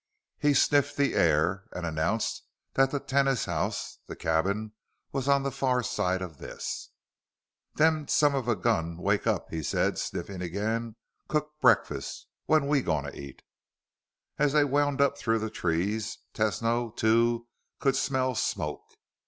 He sniffed the air and announced that the tenas house, the cabin, was on the far side of this. "Them son of a gun wake up," he said, sniffing again. "Cook breakfast. When we gonna eat?" As they wound up through the trees, Tesno, too, could smell smoke.